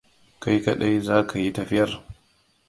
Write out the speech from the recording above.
Kai kaɗai za ka yi tafiyar?